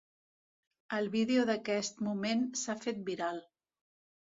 El vídeo d’aquest moment s’ha fet viral.